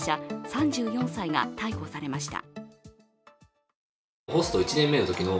３４歳が逮捕されました。